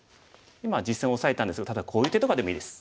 実戦オサえたんですがただこういう手とかでもいいです。